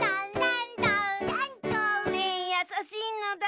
リンやさしいのだ！